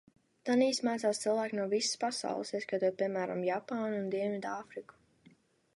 Tanīs mācās cilvēki no visas pasaules, ieskaitot, piemēram, Japānu un Dienvidāfriku.